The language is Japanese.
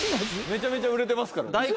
・めちゃめちゃ売れてますから。